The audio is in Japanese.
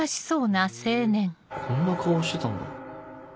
へぇこんな顔してたんだ。